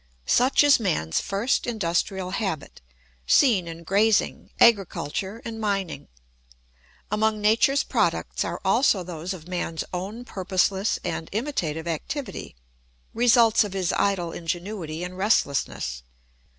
Such is man's first industrial habit, seen in grazing, agriculture, and mining. Among nature's products are also those of man's own purposeless and imitative activity, results of his idle ingenuity and restlessness.